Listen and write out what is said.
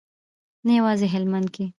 نه یوازې هلمند کې.